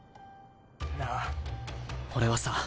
なあ俺はさ